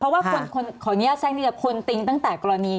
เกราะว่าของไนี่ซักนี่ครับคุณติ๊งตั้งแต่กรณี